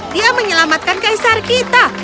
dia menyelamatkan kaisar kita